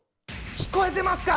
聞こえてますか！？